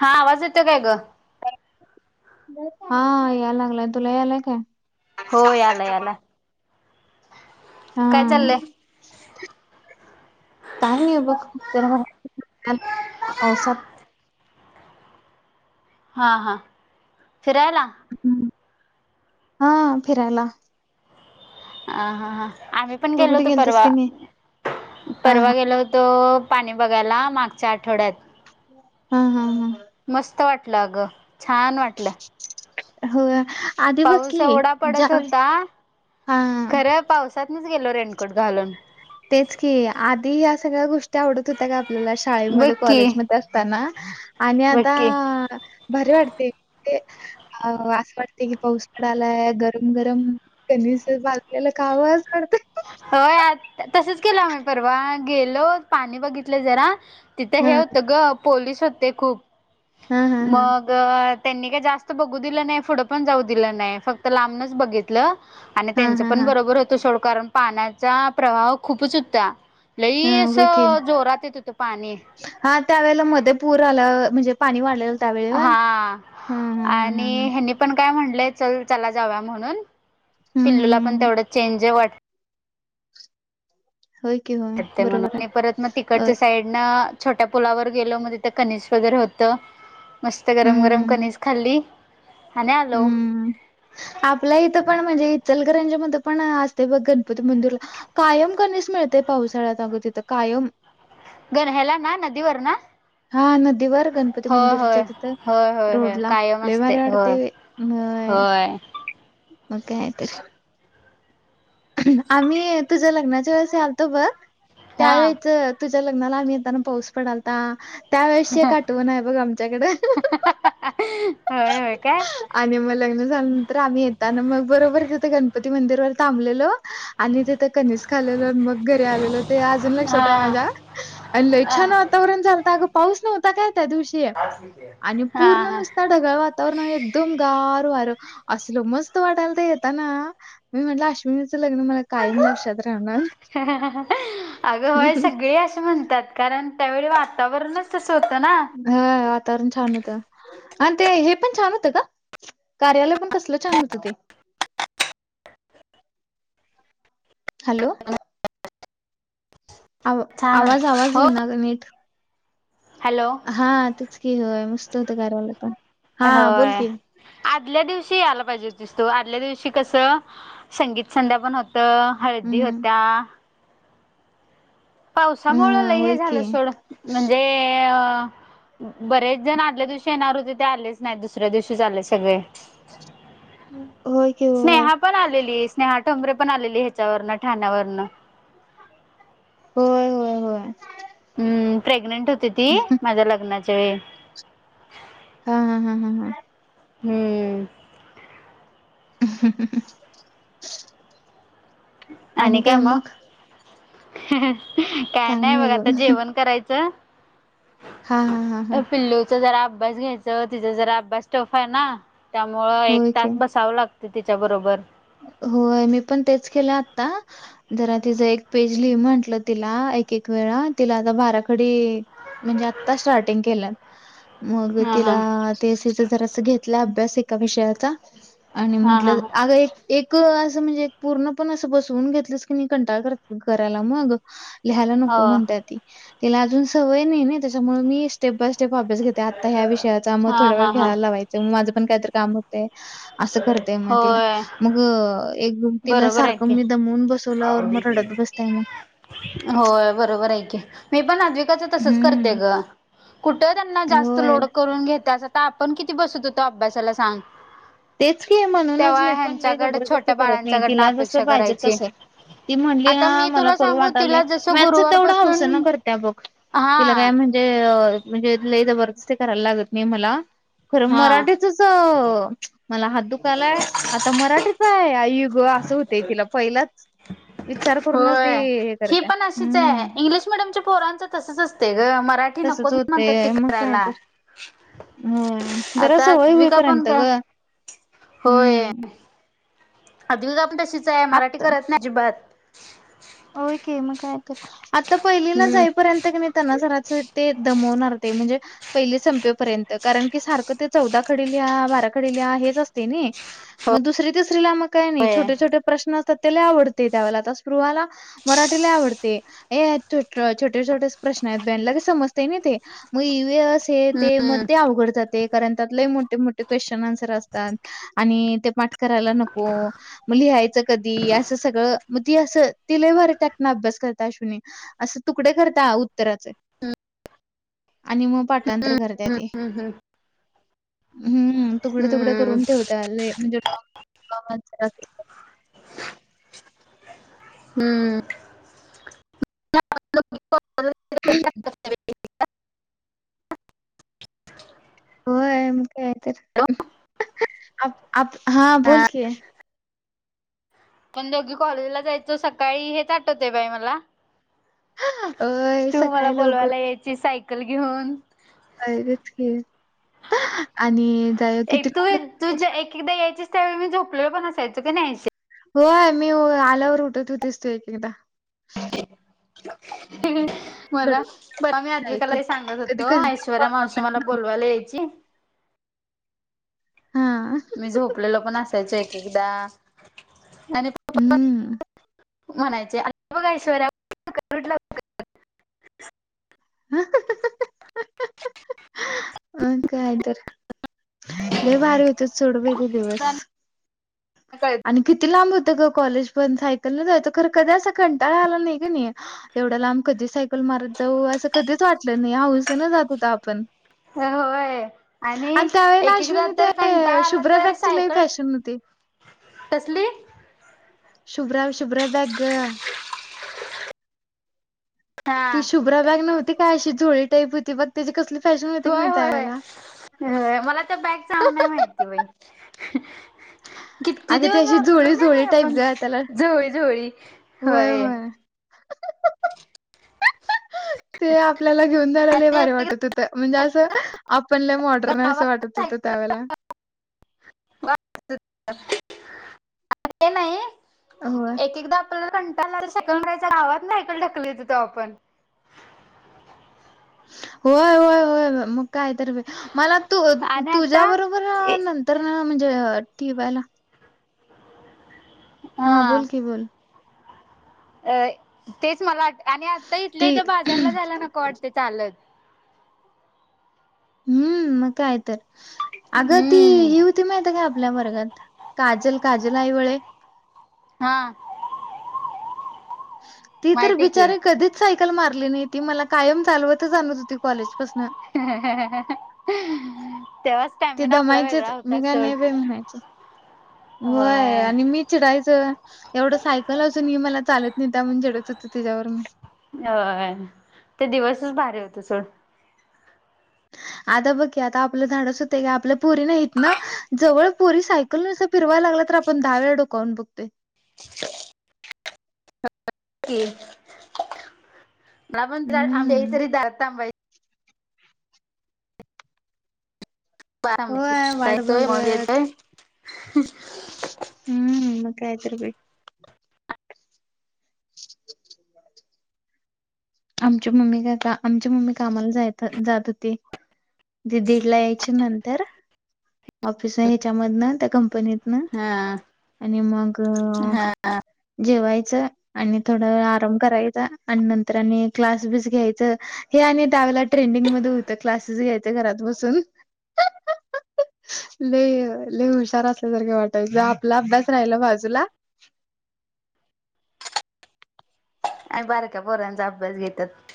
हा आवाज येतो काय ग हा याय लागलाय तुला यायलाय काय हो याला याला. हा काय चाललंय का नाही बघ त्या म औसाात हां हां फिरायला हम्म हा फिरायला. अ हा हा आम्ही पण तू गेलो कुठे होतो गेलतीस परवा की नाही हा परवा हा गेलो होतो. तो पाणी बघायला मागच्या आठवड्यात. हम हमं हम मस्त वाटलं अगं छान वाटलं. हो. पाऊस ओढा पडत होता हा खरं पावसातच गेलो रेनकोट घालून. तेच की आधी या्या सगळ्या गोष्टी आवडत होत्या का आपल्याला शाळेमध्ये बक्की कॉलेजमध्ये तना आणि आता बक्की भरी वाटते. अ असं वाटते की पाऊस पड आलाय गरम गरम कनस बाजलेला खावाज पडतय. होय आ तसच केलं आम्ही परवा गेलो पाणी बघितलं जरा तिथं हे हा होत ग पोलीस होते खूप हा हा हा मग त्यांनी का जास्त बघू दिलं नाही पुढं पण जाऊ दिलं नाही फक्त लांबच बघित आणि हा त्यांच हा हा पण बरोबर होत सोड कारण पाण्याचा प्रभाव खूपच होता हा लई होय की असं जोरात य तिथं पाणी हा त्यावेळे मध्ये पूर आला म्हणजे पाणी वाढलेलं त्यावेळी व हा आणि हम्म्मम्म्् ह्यांनी पण काय म्हणलंय चल चला जाव म्हणून हम्म पिल्लूला पण हम्म तेवढं चेंज वाट हो क हो ून परत मग तिकडच्या साईड ना छोट्या पुलावर गेलो मग तिथं कनिज वगैरे होतं मस्त गरम हम्म गरम हम्म हम्म. कनीिज खाल्ली आणि आलो हम्म आपल्या इथं पण म्हणजे चलघरांच्या मध्ये पण असते बघ गणपती मंदिरला कायम करणेस मिळतेय पावसाळ्यात अगो तिथं कायम गण ह्याला ना नदीवर ना हा नदीवर गणपती होय होय मंदिरच्या तिथं होय होय होय रोडला कायम असते लेमारेवाडते होय हो होय मकत आम्ही तुझ्या लग्नाच्या वेळेस आलतो बघ हा त्यावेेळेच तुझ्या लग्नाला आम्ही येताना पाऊस पडलता त्या वेळेसशी आठवण आहे बघ आमच्याकडे हो होय काय आणि मग लग्न झाल्यानंतर आम्ही यताना मग बरोबर तथे गणपती मंदिर व थांबलेलो आणि तिथं कनिज खालेलो मग घरी आलेलो ते अजून लक्षात हा आहे माझ्या अ लय हा छान वातावरण चालत अगं पाऊस नव्हता काय त्या दिवशी आणि हा पूर्ण हा नुसते ढगाळ वातावरण एकदम गार वार असल मस्त वाटायला तर येत ना मी म्हटलं अश्नीच ल्न मला लक्षात राहणार. अगंय सगळे असं म्हणतात कारण त्यावेळी वातावरणच तसं होतं ना हा वातावरण छान होतं आणि ते हे पण छान होतं का कार्यालय पण कसलं चाल होतं ते हॅलो आ छान आवाज आवाज घे हो ना नेट हॅलो हा तेचकी होय मस्त होतं कार्यालय पण, हा बोल होय की. आदल्या दिवशी यायला पाहिजे होतीस तू आदल्या दिवशी कसं संगीत संध्या पण हो तर हळदी हम्म होत्या पावसामुं ल हम्म हे होय की. झालं सोड म्हणजे बरेच जण आदल्या दिवशी येणार होते ते आलेच नाही दुसऱ्या दिवशीच आले सगळे होय केव हय स्नेहा पण आलेली स्नेहा ठोबरे पण आलेली हेच्यावरन ठाण्यावरन. होय होय होय. हम्म प्रेग्नेंट होती ती माझ्या लग्नाच्या वेळी. हा हा हा हा हा. हम्म. आणि काय मग? काय नाही बघ आता जेवण करायचं. हा हा हा हा अ पिल्लूचा जरा अभ्यास घ्यायचं तिचा जरा अभ्यास टफ आहे ना. त्यामुळं एक होय की. तास बसावं लागत तिच्याबरोबर. होय मी पण तेच केलं आता. जरा तिचं एक पेज लिहि म्हटलं तिला एक एक वेळा तिला आता बारा खडी म्हणजे आता स्टार्टिंग केल्यात. मग हा तिला हा. तेसीचा जरा अस घेतलं अभ्यास एका विषयाचा. आणि हा हा म्हटलं अगं एक एक असं म्हणजे पूर्ण पण असं बसवून घेतलंच की मी कंटाळ कर करायला मग. लिहायला हो नको म्हणत्या ती त्याला अजून सवय नाही ना त्याच्यामुळे मी स्टेप बाय स्टेप अभ्यास घेतल. ते आता ह्या विषयाचा मग हा थोडा वेळ हा हा. खेळायला लावायचं मग माझं पण काहीतरी काम होते. असं करतय मग तिला. होय मग एक तिला बरोबर आहे सारखं की. मी दमवून बसवलं मग रडत बसताय मग. होय बरोबर कि मी पण आदि तसच करते हम्म ग कुठ त्यांना जास्त होय लोड करून घत्यास. आता आपण किती बसत होतो अभ्यासाला सांग? तेच की म्हणूनच तेव्हा मी पण लई ह्यांच्याकडे जबरदस्ती छोट्या करत नाही. बाळांच्याकडनं तिला जस अपेक्षा पाहिजे करायची. तस ती म्हणली आता ना मी मला तुला करू सांगू वाटालय तिला जसं म्याच तेवढं हावसनं गुरुवारपासून करते. बघ तिला काय हा म्हणजे म्हणजे लई जबर दस्ती करायला लागत नाही मला. खरं हा मराठीचच मला हात दुखालाय आता मराठीच आहे आई ग असं होत तिला पहिलंच. विचार करूनच ती होय. हे ही करते पण अशीच आहे हम्म. इंग्लिश मिडियमच्या पोरांचं तसच असते ग मराठी तसच नकोच होते म्हणतात तेी मग काय करायला. तर हो जरा आता सवय अद्विका पण होईपर्यंत ग काय, होय. हम्म अद्विका पण तशीच आहे मराठी करत नाही अजिबात. ओय कि मग काय कर आता पहिलीला हम्म जाईपर्यंत क नाही. त्यांना जराच ते दमवणार ते म्हणजे पहिले संपेपर्यंत कारण की सारखं ते चौदा खडे लिहा बारा खडे लिहा हेच असते नाही. मग दुसरी तिसरीला मग काही नाही होय छोटे छोटे प्रश्न असतात त्याला आवडते त्याला आता स्पृहाला. मराठी लई आवडतेय छोटे छोटे प्रश्न आहेत त्यानाला लगेच समजते ना ते. मग इवीअस हे ते मग हम्म ते अवघड जा ते कारण त्यात लई मोठे मोठे क्वेश्न आन्सर असतात. आणि ते पाठ करायला नको म लिहायचं कधी असं सगळं मग ती असं ति लई भारी त्यातन अभ्यास करत्या अश्विनी असं तुकडे करता उत्तराचे. आणि मग पाठांतर करत्या ती. हम्म हम्म. हम्म तुकडे तुकडे हम्म करून ठेवत्या लई म्हणजे रॉंग अन्सार हम्म. ह् होय म काय तर हा बोल कि. पण दोघी कॉलेजला जायचं सकाळी हेच आठवते बाई मला होय तू मला सकाळी लवकर बोलवायला यायची सायकल घेऊन काच ख आणि जाय किती एक [unintelligible] तू ज्या एक एकदा यायचीस त्यावे मी झोपले पण असायचो की नाही होय मी आल्यावर उठत होतीस तू एक एकदा हम् मला बरं मी जायचं आद्वीकालाही सांगत कधी होतो कधी ऐश्वर्या मावशी मला बोलवायला यायची हां मी झोपलेलो पण असायचं एक एकदा आणि प हम्म म्हणायचे आली बघा ऐश्वर्या ह अ मग काय तर लय भारी होतत सोड बाई ते दिवस कळत आणि किती लांब होत गं कॉलेज पण सायकल न जायच खरं कधी असा कंटाळा आला नाही की नाही एवढ्या लांब कधी सायकल मारत जाऊ असं कधीच वाटलं नाही हौसन जात होतं आपण होय आणि त्यावेेळेला एक एकदा अश्विनी तर ते कंटाळा आला शुभ्रा तर बॅगची लई सायकल फॅशन होती. तसली शुभ्रा शुभ्रा बॅग गं हा ती शुभ्रा बॅग नव्हती काय अशी झोळी टाईप होती बघ त्याची कसली भारी होय होय होय मला त्या बॅगच नाव नाही माहिती बाई [unintelligible] किती अगं ती दिवस अशी वापरलो झोळी झोळी ना टाईप आपण ग त्याला झोळी झोळी होय. ते आपल्याला घेऊन जायला भारी वाटत होत. म्हणजे असं आपण लय मॉडर्न आहे असं वाटत होतं त्यावेळेला आले नाही. अ होय. एक एकदा आपल्याला कंटाळा सेकड ना गावात नाही सायकल ठकलत यायचो आपण होय होय होय मग कायतर मला तू आणि आता तुझ्या बरोबर नंत तर म्हणजे टीवायला. हा बोल की बोल. अ तेच मला आठ आणि आता इथल्या ती इथं बाजारला जायला नको वाटतंय चालत. हम्म मग काय तर अगं ती हम्म ही माहिती होती का आपल्या वर्गात काजल काजल आयवाळे हा. ती तर माहिती की बिचारी कधीच सायकल मारली नाही ती मला कायम चालवतच आणत होती कॉलेजपासन हम् ह [inaudible] ते दमायचेच मी काय नाही म्हणायचे होय आणि मी चिडायचं एवढं सायकल असून ही मला चालत नेत्या म्हणून चिडत होतो तिच्यावर मी होय ते दिवसच भारी होत सोड. आता बघ की आता आपलं धाडस होतंय का आपल्या पोरीना इथं न जवळ पोरी सायक कलस फिरवा लागला तर आपण दहावेे डोकावून बघतोय. मला प हम्म. आमधारातांबायच [unintelligible] थांबायची होय आता वाट येतोय मग बघत. येतोय हम्म मग काय तर बाई. [unintelligible] आमची मम्मी काय आता आमची मम्मी कामाला जाय जात होती. ते दीड ला यायच्या नंतर ऑफिस न ह्याच्यामधन त्या कंपनीत ना हा आणि मग हा जेवायचं आणि थोडा आराम करायचा आणि नंतरने क्लास बीस घ्यायचं हे आणि त्यावेळेला ट्रेंडिंग मध्ये होत क्लासेस घ्यायचं घरात बसून अ अ अ. लय लय हुशार असल्यासारखे वाटायचं आपला अभ्यास राहिला बाजूला आणि बारक्या पोरांचा अभ्यास घेतात.